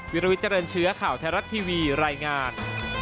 วิรวิจารณเชื้อข่าวแทรศทีวีรายงาน